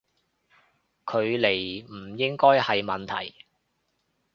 距離唔應該係問題